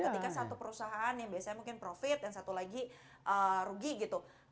ketika satu perusahaan yang biasanya mungkin profit dan satu lagi rugi gitu